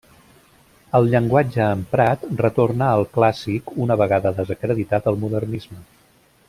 El llenguatge emprat retorna al clàssic una vegada desacreditat el modernisme.